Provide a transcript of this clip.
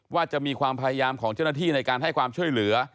ว่าจะมีความพยายามของเจ้าหน้าที่ในการให้ความช่วยเหลือ